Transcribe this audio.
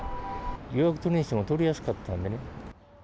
予約取るにしても取りやすかったんだね。